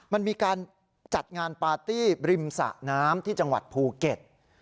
มันมีการจัดงานปาร์ตี้ริมสะน้ำที่จังหวัดภูเก็ต